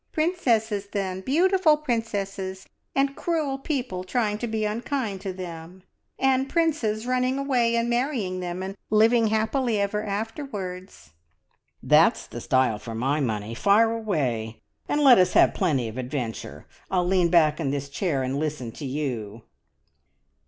"Princesses, then, beautiful princesses, and cruel people trying to be unkind to them, and princes running away and marrying them, and living happily ever afterwards." "That's the style for my money! Fire away, and let us have plenty of adventure. I'll lean back in this chair and listen to you."